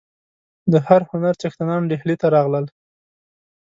د هر هنر څښتنان ډهلي ته راغلل.